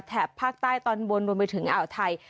แถบภาคใต้ตอนบนบนไปถึงอ่าวไทย